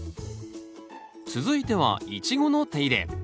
続いてはイチゴの手入れ。